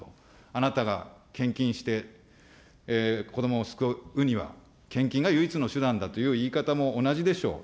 あなたが、献金して子どもを救うには、献金が唯一の手段だという言い方も同じでしょう。